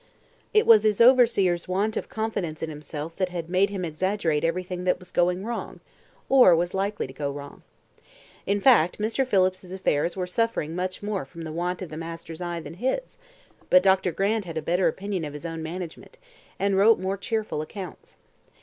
It was his overseer's want of confidence in himself that had made him exaggerate everything that was going wrong, or was likely to go wrong. In fact Mr. Phillips's affairs were suffering much more from the want of the master's eye than his; but Dr. Grant had a better opinion of his own management, and wrote more cheerful accounts.